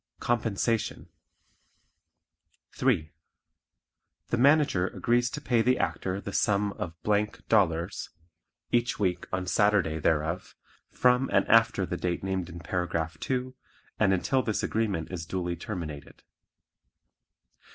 Compensation 3. The Manager agrees to pay the Actor the sum of Dollars ($) each week on Saturday thereof, from and after the date named in Paragraph 2, and until this agreement is duly terminated.